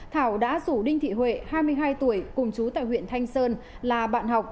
thảo đã rủ đinh thị huệ hai mươi hai tuổi cùng chú tại huyện thanh sơn là bạn học